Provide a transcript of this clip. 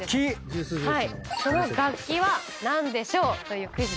その楽器は何でしょう？というクイズです。